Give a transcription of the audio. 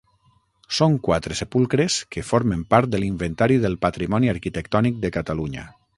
Són quatre sepulcres que formen part de l'Inventari del Patrimoni Arquitectònic de Catalunya.